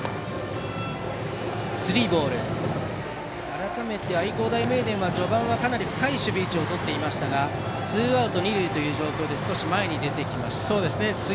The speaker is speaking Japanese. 改めて、愛工大名電は序盤はかなり深い守備位置をとっていましたがツーアウト、二塁で少し前に出ました。